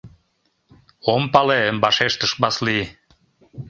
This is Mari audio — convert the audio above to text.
— Ом пале, — вашештыш Васлий.